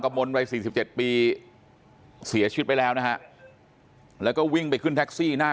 มนต์วัย๔๗ปีเสียชีวิตไปแล้วนะฮะแล้วก็วิ่งไปขึ้นแท็กซี่หน้า